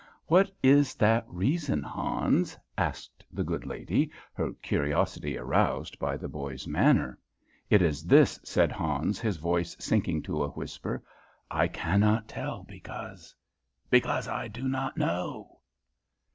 "What is that reason, Hans?" asked the good lady, her curiosity aroused by the boy's manner. "It is this," said Hans, his voice sinking to a whisper. "I cannot tell, because because I do not know!"